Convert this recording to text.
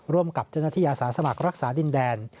ร่วมกับเจ้าหน้าที่อาสาสมัครรักษาดินแดน